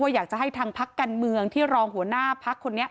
อยากจะให้ทางพักการเมืองที่รองหัวหน้าพักคนนี้